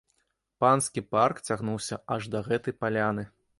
Панскі парк цягнуўся аж да гэтай паляны.